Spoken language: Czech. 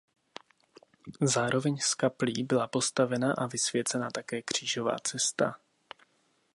Zároveň s kaplí byla postavena a vysvěcena také křížová cesta.